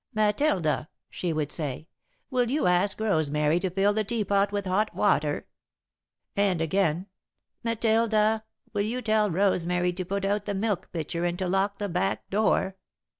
"Matilda," she would say, "will you ask Rosemary to fill the tea pot with hot water?" And, again: "Matilda, will you tell Rosemary to put out the milk pitcher and to lock the back door?"